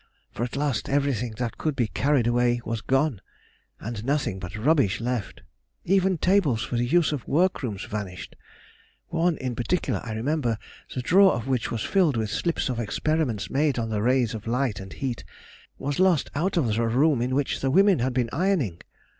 For at last everything that could be carried away was gone, and nothing but rubbish left. Even tables for the use of workrooms vanished: one in particular I remember, the drawer of which was filled with slips of experiments made on the rays of light and heat, was lost out of the room in which the women had been ironing.